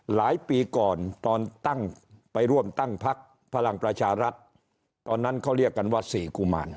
หลายปีก่อนตอนตั้งไปร่วมตั้งพักพลังประชารัฐตอนนั้นเขาเรียกกันว่าสี่กุมาร